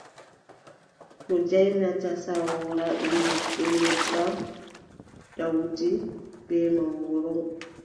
Ko jaanyata sawoora, ɗum yiɗgo nebbam, ɗowdi bee mongoro.